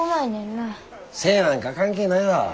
背なんか関係ないわ。